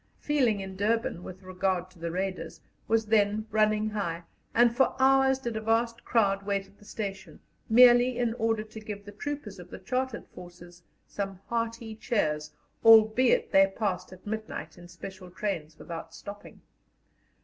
Feeling in Durban, with regard to the Raiders, was then running high, and for hours did a vast crowd wait at the station merely in order to give the troopers of the Chartered Forces some hearty cheers, albeit they passed at midnight in special trains without stopping.